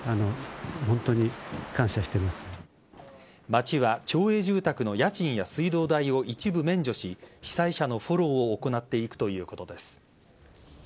町は町営住宅の家賃や水道代を一部免除し被災者のフォローを行っていくということです。